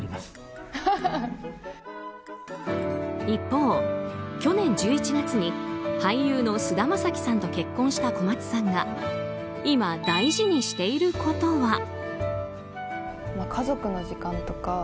一方、去年１１月に俳優の菅田将暉さんと結婚した小松さんが今、大事にしていることは。